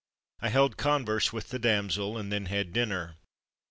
I held converse with the damsel and then had dinner.